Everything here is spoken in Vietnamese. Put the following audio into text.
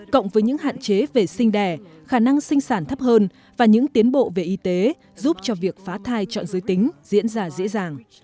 cộng với những hạn chế về sinh đẻ khả năng sinh sản thấp hơn và những tiến bộ về y tế giúp cho việc phá thai chọn giới tính diễn ra dễ dàng